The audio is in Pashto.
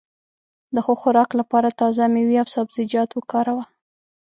د ښه خوراک لپاره تازه مېوې او سبزيجات وکاروه.